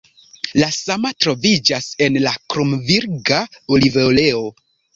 La sama troviĝas en la kromvirga olivoleo.